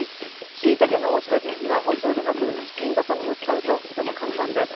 しいたけの下準備は包丁ではなくキッチンばさみを使うととても簡単です。